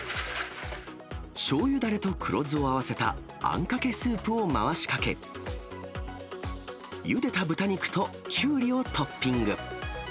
しょうゆだれと黒酢を合わせたあんかけスープを回しかけ、ゆでた豚肉とキュウリをトッピング。